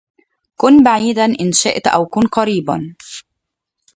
كن بعيدا إن شئت أو كن قريبا